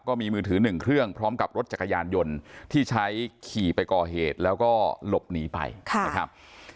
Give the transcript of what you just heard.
มือถือหนึ่งเครื่องพร้อมกับรถจักรยานยนต์ที่ใช้ขี่ไปก่อเหตุแล้วก็หลบหนีไปนะครับ